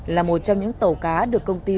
là một trong những tàu cá được công ty